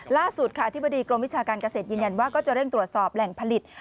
ล่าสุดค่ะอธิบดีกรมวิชาการเกษตรยืนยันว่าก็จะเร่งตรวจสอบแหล่งผลิต